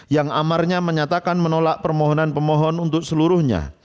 yang amarnya menyatakan menolak permohonan pemohon untuk seluruhnya